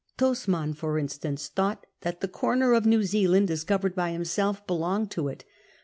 Tasman, for instance, thought that the corner of New Zealand discovered by himself belonged to it.